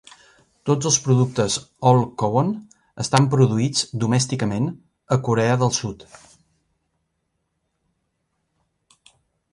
Tots els productes All Cowon estan produïts domèsticament a Corea del Sud.